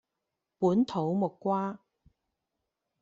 本土木瓜